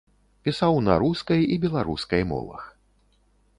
Пісаў на рускай і беларускай мовах.